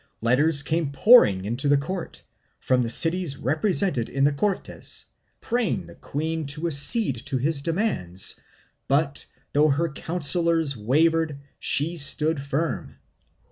Letters came pouring into the court, from the cities represented in the Cortes, praying the queen to accede to his demands but, though her councillors wavered, she stood firm.